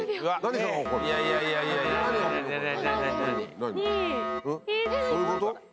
どういうこと？